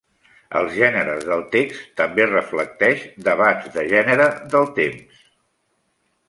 Els gèneres del text també reflecteix debats de gènere del temps.